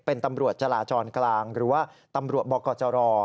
เป็นตำรวจจราจรกลางหรือว่าตำรวจบกจร